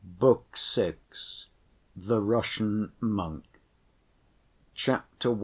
Book VI. The Russian Monk Chapter I.